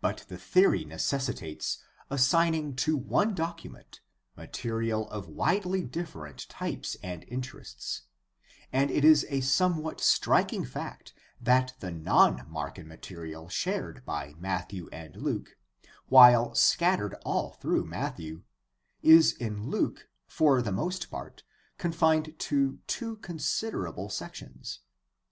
But the theory necessitates assigning to one document ma terial of widely different types and interests, and it is a some what striking fact that the non Markan material shared by Matthew and Luke, while scattered all through Matthew, is in Luke for the most part confined to two considerable sections.